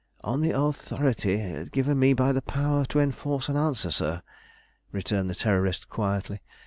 "On the authority given me by the power to enforce an answer, sir," returned the Terrorist quietly.